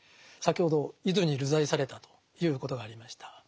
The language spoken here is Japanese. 先ほど伊豆に流罪されたということがありました。